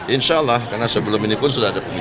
insya allah karena sebelum ini pun sudah ada